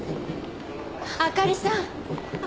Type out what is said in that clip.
あかりさん！